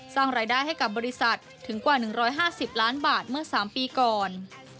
สร้างรายได้ให้กับบริษัทถึงกว่า๑๕๐ล้านบาทเมื่อ๓ปีก่อน